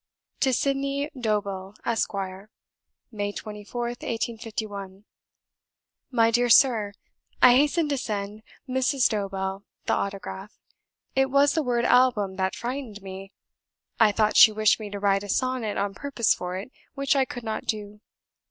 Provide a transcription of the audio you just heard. TO SYDNEY DOBELL, ESQ. "May 24th, 1851. "My dear Sir, I hasten to send Mrs. Dobell the autograph. It was the word 'Album' that frightened me I thought she wished me to write a sonnet on purpose for it, which I could not do.